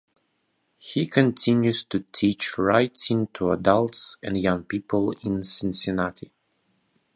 He continues to teach writing to adults and young people in Cincinnati.